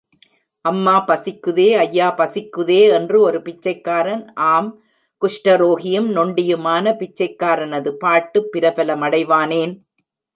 அம்மா பசிக்குதே, ஐயா பசிக்குதே என்று ஒரு பிச்சைக்காரன் ஆம் குஷ்டரோகியும், நொண்டியுமான பிச்சைக்காரனது பாட்டு பிரபல மடைவானேன்?